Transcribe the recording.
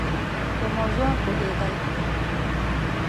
په موضوع پوهېد ل